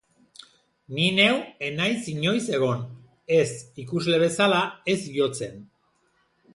Ni neu ez naiz inoiz egon, ez ikusle bezala ez jotzen!